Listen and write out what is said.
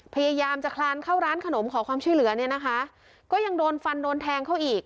พยายามจะคลานเข้าร้านขนมขอความช่วยเหลือเนี่ยนะคะก็ยังโดนฟันโดนแทงเขาอีก